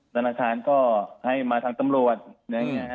ธนาคารก็ให้มาทางตำรวจ